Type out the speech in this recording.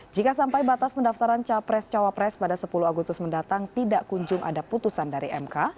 jika sampai batas pendaftaran capres cawapres pada sepuluh agustus mendatang tidak kunjung ada putusan dari mk